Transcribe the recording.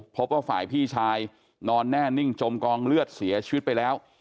พบว่าฝ่ายพี่ชายนอนแน่นิ่งจมกองเลือดเสียชีวิตไปแล้ว